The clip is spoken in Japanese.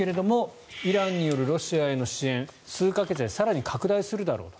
今後ですがイランによるロシアへの支援数か月で更に拡大するだろうと。